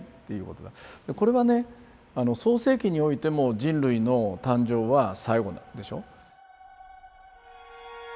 これはね「創世記」においても人類の誕生は最後だったでしょ。